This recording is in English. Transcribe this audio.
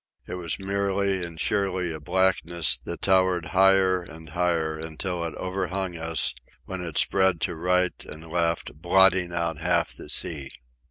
It was merely and sheerly a blackness that towered higher and higher until it overhung us, while it spread to right and left, blotting out half the sea.